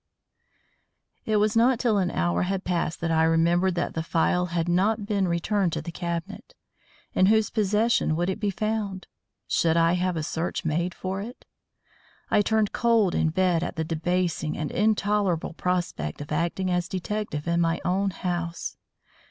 _ It was not till an hour had passed that I remembered that the phial had not been returned to the cabinet. In whose possession would it be found? Should I have a search made for it? I turned cold in bed at the debasing, the intolerable prospect of acting as detective in my own house.